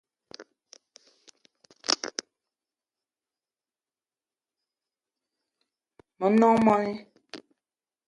Me nong moni